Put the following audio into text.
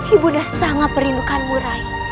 ibu bunda sangat merindukanmu ray